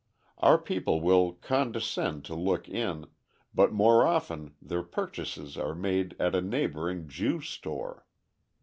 Our people will condescend to look in, but more often their purchases are made at a neighbouring Jew store.